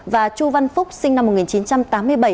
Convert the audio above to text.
và chu văn phúc sinh năm một nghìn chín trăm tám mươi bảy